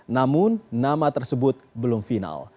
namun nama tersebut belum final